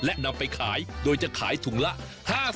และนำไปขายโดยจะขายถุงละ๕๐